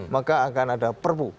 maka akan ada perpu